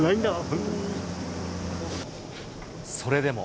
それでも。